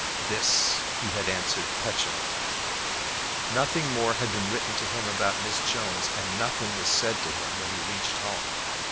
This he had answered petulantly. Nothing more had been written to him about Miss Jones, and nothing was said to him when he reached home.